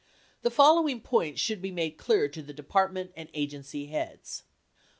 The following points should be made clear to the Department and Agency heads : 1.